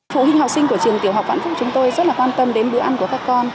phụ huynh học sinh của trường tiểu học vạn phúc chúng tôi rất quan tâm đến bữa ăn của các con